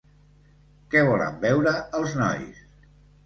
Què volen beure els nois?